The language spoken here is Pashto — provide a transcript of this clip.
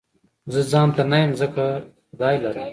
زه ځانته نه يم ځکه خدای لرم